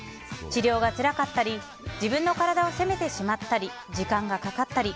治療が辛かったり自分の体を責めてしまったり時間がかかったり。